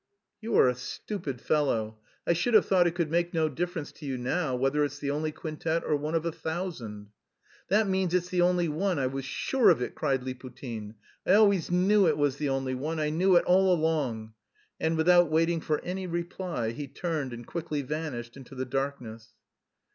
"You are a stupid fellow! I should have thought it could make no difference to you now whether it's the only quintet or one of a thousand." "That means it's the only one! I was sure of it..." cried Liputin. "I always knew it was the only one, I knew it all along." And without waiting for any reply he turned and quickly vanished into the darkness.